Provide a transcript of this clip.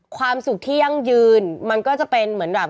ความสุขที่ยั่งยืนมันก็จะเป็นเหมือนแบบ